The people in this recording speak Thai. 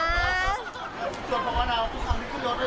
ส่วนธรรมนาวทุกครั้งที่ขึ้นรถเลยหรอ